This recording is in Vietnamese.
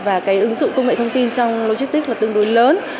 và ứng dụng công nghệ thông tin trong logistics tương đối lớn